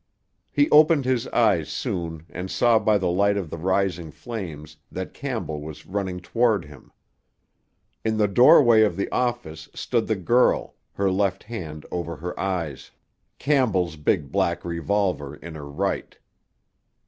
He opened his eyes soon and saw by the light of the rising flames that Campbell was running toward him. In the doorway of the office stood the girl, her left hand over her eyes, Campbell's big black revolver in her right.